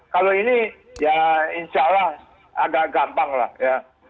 kalau ini ya insya allah agak gampang lah ya